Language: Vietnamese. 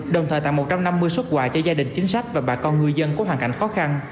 đồng thời tặng một trăm năm mươi xuất quà cho gia đình chính sách và bà con ngư dân có hoàn cảnh khó khăn